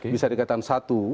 bisa dikatakan satu